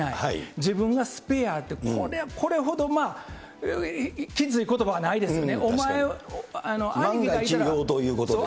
自分がスペアって、これほどまあ、きついことばはないですよね。